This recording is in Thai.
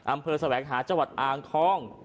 อำเภอสวัสดิ์หาจังหวัดอางคล่อง